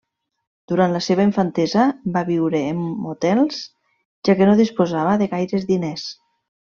Durant la seva infantesa va viure en motels, ja que no disposava de gaires diners.